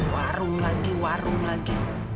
warung lagi warung lagi